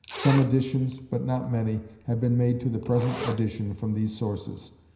Some additions, but not many, have been made to the present edition from these sources.